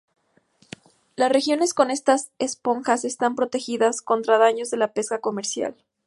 Las regiones con estas esponjas están protegidas contra daños de la pesca comercial.